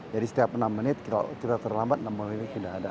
jadi setiap enam menit kalau kita terlambat enam menit tidak ada